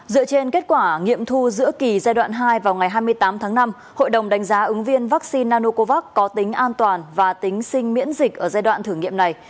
dựa trên kết quả nghiệm thu giữa kỳ giai đoạn hai vào ngày hai mươi tám tháng năm hội đồng đánh giá ứng viên vaccine nanocovax có tính an toàn và tính sinh miễn dịch ở giai đoạn thử nghiệm này